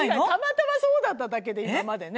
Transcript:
たまたまそうだっただけで。